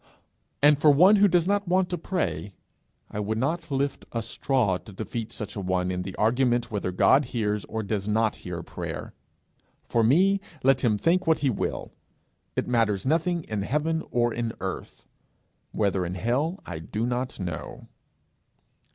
And for one who does not want to pray, I would not lift a straw to defeat such a one in the argument whether God hears or does not hear prayer: for me, let him think what he will! it matters nothing in heaven or in earth: whether in hell I do not know.